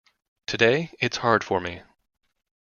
Today it's hard for me.